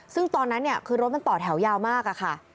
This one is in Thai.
ซึ่งตอนนั้นเนี่ยคือรถมันต่อแถวยาวมากอะค่ะ